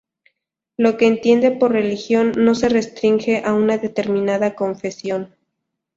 Lo que entiende por religión no se restringe a una determinada confesión.